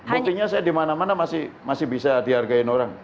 buktinya saya di mana mana masih bisa dihargai orang